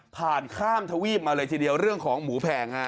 ผ่านข้ามทวีปมาเลยทีเดียวเรื่องของหมูแพงฮะ